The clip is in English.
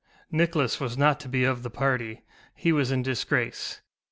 Nicholas was not to be of the party; he was in disgrace.